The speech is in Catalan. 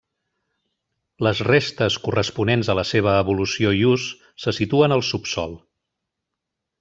Les restes corresponents a la seva evolució i ús se situen al subsòl.